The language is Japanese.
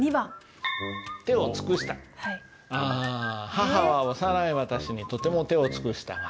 「母は幼い私にとても手を尽くしたが」。